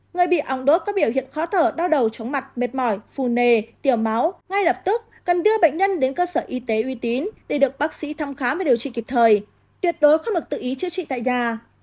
người bị ong đốt các biểu hiện khó thở đau đầu chóng mặt mệt mỏi phù nề tiểu máu ngay lập tức cần đưa bệnh nhân đến cơ sở y tế uy tín để được bác sĩ thăm khám và điều trị kịp thời tuyệt đối không được tự ý chữa trị tại nhà